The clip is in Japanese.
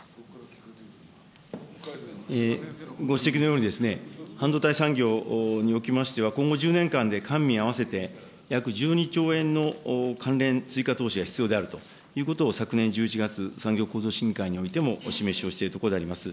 ご指摘のように、半導体産業におきましては、今後１０年間で官民合わせて約１２兆円の関連追加投資が必要であるということを昨年１１月、産業構造審議会においてもお示しをしているところでございます。